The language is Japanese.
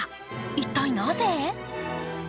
一体なぜ？